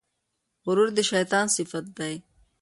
غرور د شیطان صفت دی.